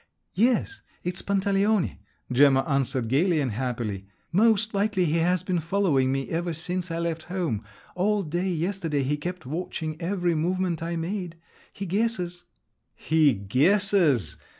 "Yes, it's Pantaleone," Gemma answered gaily and happily. "Most likely he has been following me ever since I left home; all day yesterday he kept watching every movement I made … He guesses!" "He guesses!"